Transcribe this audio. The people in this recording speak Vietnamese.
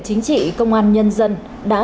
chính trị công an nhân dân đã